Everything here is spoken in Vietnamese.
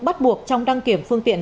bắt buộc trong đăng kiểm phương tiện